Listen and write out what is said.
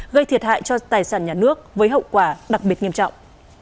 gây thiệt hại cho tài sản nhà nước với hậu quả đặc biệt nghiêm trọng